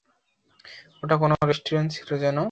ওটা কোন রেস্টুরেন্ট ছিল যেন?